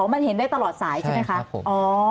มันเห็นได้ตลอดสายใช่ไหมคะ